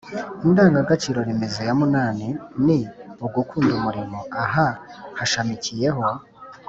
indangagaciro remezo ya munani ni «ugukunda umurimo». aha hashamikiyeho